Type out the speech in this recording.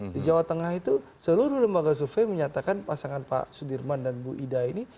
di jawa tengah itu seluruh lembaga survei menyatakan pasangan pak sudirman dan bu ida ini